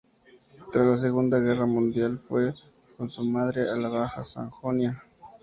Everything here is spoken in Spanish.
Tras la Segunda Guerra Mundial fue con su madre a la Baja Sajonia.